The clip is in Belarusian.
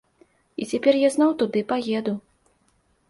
І цяпер я зноў туды паеду.